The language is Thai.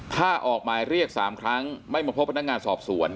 ถ้าออกหมายเรียก๓ครั้งไม่มาพบพนักงานสอบสวน